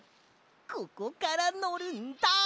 ここからのるんだ！